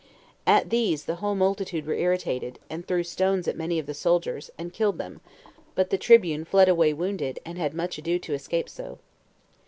At these the whole multitude were irritated, and threw stones at many of the soldiers, and killed them; but the tribune fled away wounded, and had much ado to escape so.